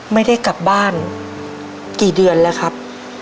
ไม่ได้กลับบ้านกี่เดือนแล้วครับ